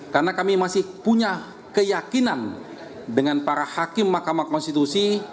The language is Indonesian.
karena kami masih punya keyakinan dengan para hakim mahkamah konstitusi